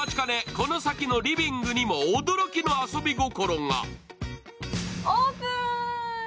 この先のリビングにも驚きの遊び心が。